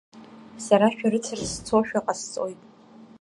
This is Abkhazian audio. Сара шәарыцара сцошәа ҟасҵоит.